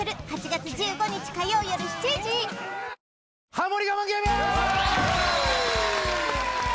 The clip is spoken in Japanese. ハモリ我慢ゲーム！